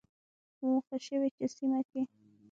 په موخه شوې چې سیمه کې